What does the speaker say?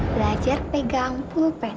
belajar pegang pulpen